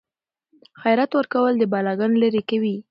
خیرات ورکول بلاګانې لیرې کوي.